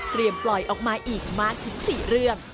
เตรียมปล่อยออกมาอีกมากถึง๔เรื่อง